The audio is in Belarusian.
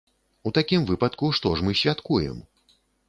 У такім выпадку, што ж мы святкуем?